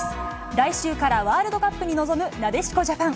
来週からワールドカップに臨む、なでしこジャパン。